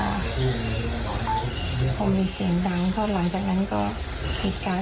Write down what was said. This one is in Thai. คือเขานั่งดูทีวีอยู่อืมนั่งดูทีวีแล้วทีนี้ย่า